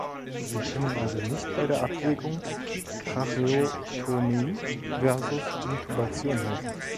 Sie können also nicht bei der Abwägung Tracheotomie versus Intubation helfen.